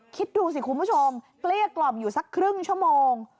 คิดดูสิคุณผู้ชมเกลี้ยกล่อมอยู่สักครึ่งชั่วโมง